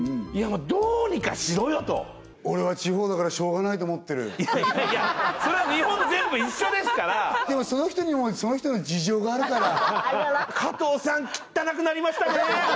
もうどうにかしろよと俺は地方だからしょうがないと思ってるいやいやいやそれは日本全部一緒ですからでもその人にはその人の事情があるから加藤さんきったなくなりましたね！